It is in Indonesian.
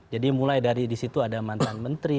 jadi mulai dari disitu ada mantan menteri